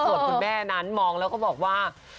ส่วนคุณแม่นั้นมองแล้วก็บอกว่า